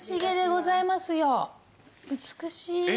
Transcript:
美しい。